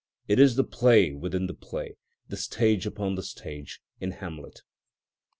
It is the play within the play, the stage upon the stage in "Hamlet."